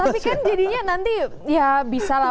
tapi kan jadinya nanti ya bisa lah